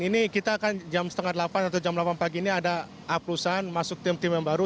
ini kita kan jam setengah delapan atau jam delapan pagi ini ada aplusan masuk tim tim yang baru